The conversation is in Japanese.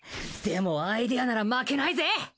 でもアイデアなら負けないぜ！